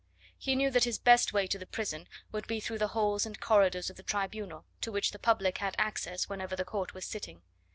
He knew that his best way to the prison would be through the halls and corridors of the Tribunal, to which the public had access whenever the court was sitting.